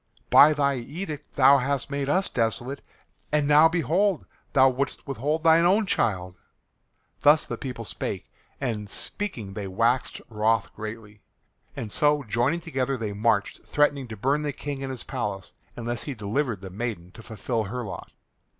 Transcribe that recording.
By thy edict thou hast made us desolate. And now behold thou wouldst withhold thine own child!" Thus the people spake, and speaking they waxed wroth greatly, and so joining together they marched threatening to burn the King in his palace unless he delivered the maiden to fulfil her lot.